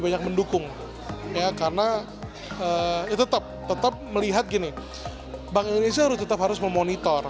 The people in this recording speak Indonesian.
bank indonesia harus tetap memonitor